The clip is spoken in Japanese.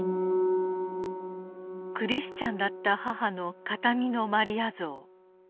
クリスチャンだった母の形見のマリア像。